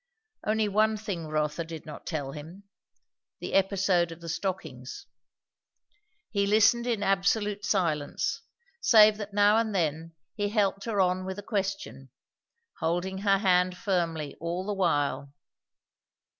Only one thing Rotha did not tell him; the episode of the stockings. He listened in absolute silence, save that now and then he helped her on with a question; holding her hand firmly all the while.